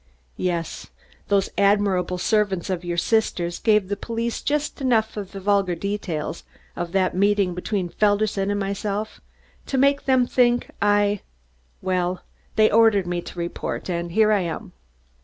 "Yes. Those admirable servants of your sister's gave the police just enough of the vulgar details of that meeting between Felderson and myself to make them think I well, they ordered me to report and here I am."